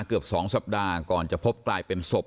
เกือบสองสำดาก่อนจะพบตลายเป็นสพ